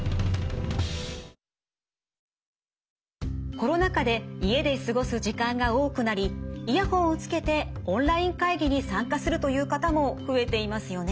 コロナ禍で家で過ごす時間が多くなりイヤホンをつけてオンライン会議に参加するという方も増えていますよね。